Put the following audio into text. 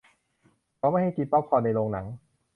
เขาไม่ให้กินป๊อปคอร์นในโรงหนัง